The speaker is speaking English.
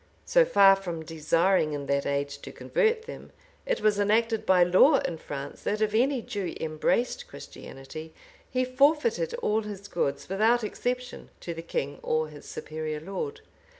So far from desiring in that age to convert them, it was enacted by law in France, that if any Jew embraced Christianity, he forfeited all his goods, without exception, to the king or his superior lord.